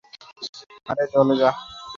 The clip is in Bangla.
আরে, জ্বলে যা!